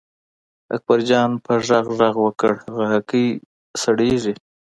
اکبرجان په غږ غږ وکړ هغه هګۍ سړېږي.